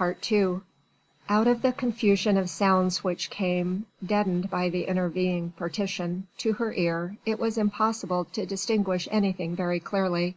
II Out of the confusion of sounds which came deadened by the intervening partition to her ear, it was impossible to distinguish anything very clearly.